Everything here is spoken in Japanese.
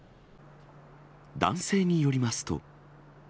男性によりますと。